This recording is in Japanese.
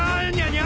ニャ。